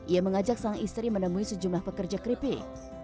ia mengajak sang istri menemui sejumlah pekerja keripik